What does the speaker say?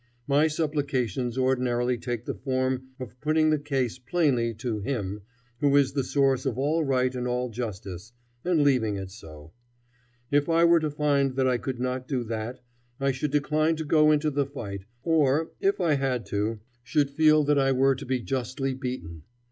My supplications ordinarily take the form of putting the case plainly to Him who is the source of all right and all justice, and leaving it so. If I were to find that I could not do that, I should decline to go into the fight, or, if I had to, should feel that I were to be justly beaten.